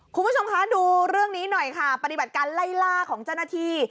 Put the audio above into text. คุณผู้ชมคะดูเรื่องนี้หน่อยค่ะปฏิบัติการไล่ล่าของเจ้าหน้าที่